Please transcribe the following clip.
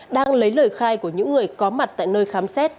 đang lấy lời khai của những người có mặt tại nơi khám xét